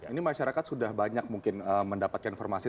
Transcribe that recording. ini masyarakat sudah banyak mungkin mendapatkan informasi